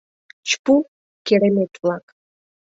— Чпу, керемет-влак!